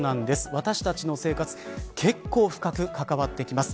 私たちの生活に結構深く関わってきます。